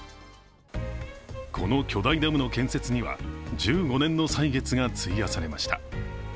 この巨大ダムの建設には１５年の歳月が費やされました。